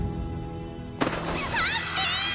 ハッピー！